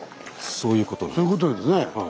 そういうことなんです。